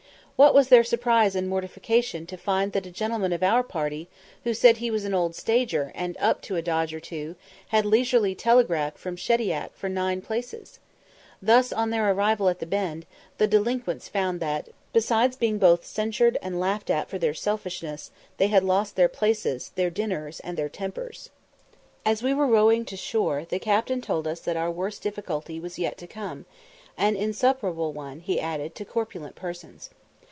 What was their surprise and mortification to find that a gentleman of our party, who said he was "an old stager, and up to a dodge or two," had leisurely telegraphed from Shediac for nine places! Thus, on their arrival at the Bend, the delinquents found that, besides being both censured and laughed at for their selfishness, they had lost their places, their dinners, and their tempers. As we were rowing to shore, the captain told us that our worst difficulty was yet to come an insuperable one, he added, to corpulent persons.